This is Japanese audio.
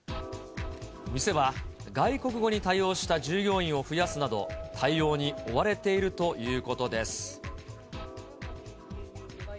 店は外国語に対応した従業員を増やすなど、対応に追われているということです。